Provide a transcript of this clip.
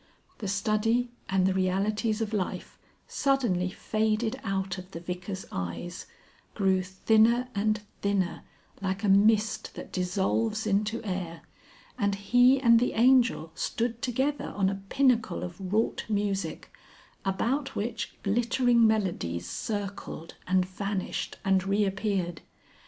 The study and the realities of life suddenly faded out of the Vicar's eyes, grew thinner and thinner like a mist that dissolves into air, and he and the Angel stood together on a pinnacle of wrought music, about which glittering melodies circled, and vanished, and reappeared.